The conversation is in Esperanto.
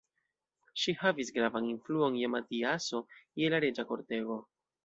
Ŝi havis gravan influon je Matiaso, je la reĝa kortego.